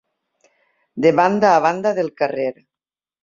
De banda a banda del carrer.